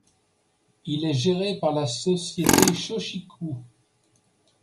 Il est géré par la société Shōchiku.